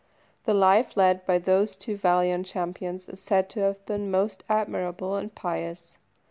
The life led by those two valiant champions is said to have been most admirable and pious.